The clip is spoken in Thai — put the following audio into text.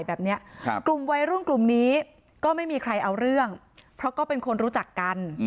แบบนี้กลุ่มวัยรุ่นกลุ่มนี้ก็ไม่มีใครเอาเรื่องเพราะก็เป็นคนรู้จักกัน